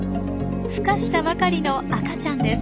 ふ化したばかりの赤ちゃんです。